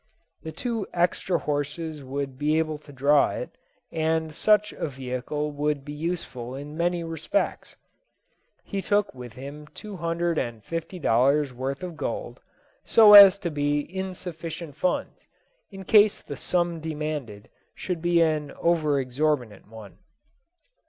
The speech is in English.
The two extra horses would be able to draw it, and such a vehicle would be useful in many respects. He took with him two hundred and fifty dollars' worth of gold, so as to be in sufficient funds, in case the sum demanded should be an over exorbitant one.